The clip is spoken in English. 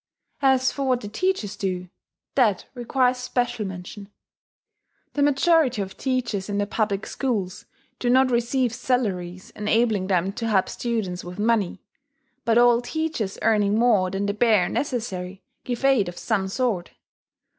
As for what the teachers do that requires special mention. The majority of teachers in the public schools do not receive salaries enabling them to help students with money; but all teachers earning more than the bare necessary give aid of some sort.